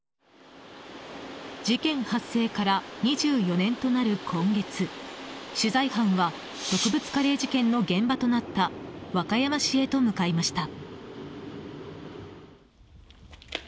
事件発生から２４年となる今月取材班は毒物カレー事件の現場となった和歌山市へと向かいました。